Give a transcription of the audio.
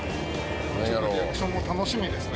リアクションも楽しみですね。